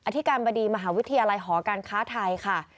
ธิการบดีมหาวิทยาลัยหอการค้าไทยค่ะ